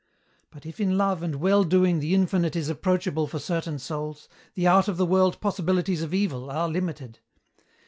"But if in Love and Well doing the infinite is approachable for certain souls, the out of the world possibilities of Evil are limited.